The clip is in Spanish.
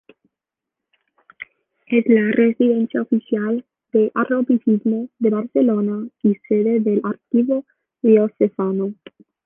Es la residencia oficial del arzobispo de Barcelona y sede del Archivo Diocesano.